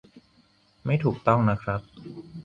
ไม่ถูกต้องนะครับ